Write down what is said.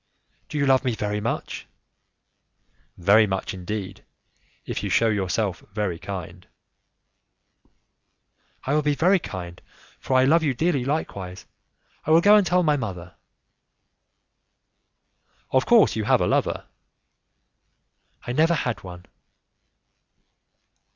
"Do you love me very much?" "Very much indeed, if you shew yourself very kind." "I will be very kind, for I love you dearly likewise. I will go and tell my mother." "Of course you have a lover?" "I never had one."